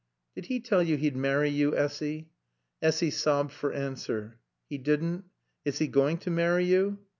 "Did he tell you he'd marry you, Essy?" Essy sobbed for answer. "He didn't? Is he going to marry you?"